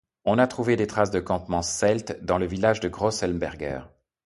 On a trouvé des traces de campements celtes dans le village de Großlellenberg.